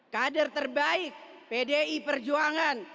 kader terbaik pdi perjuangan